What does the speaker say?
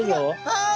はい。